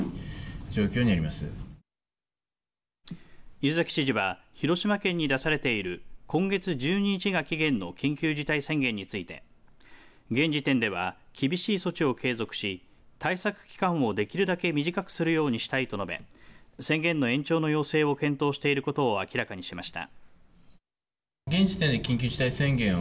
湯崎知事は広島県に出されている今月１２日が期限の緊急事態宣言について現時点では厳しい措置を継続し対策期間をできるだけ短くするようにしたいと述べ宣言の延長の要請を検討していることを明らかにしました。